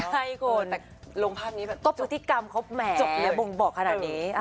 แต่ลงภาพนี้แบบจบจบแล้วบ่งบอกขนาดนี้